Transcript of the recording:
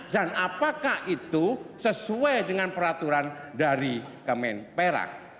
dan apakah itu sesuai dengan peraturan dari kemen perak